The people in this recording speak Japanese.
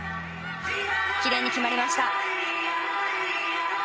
奇麗に決まりました。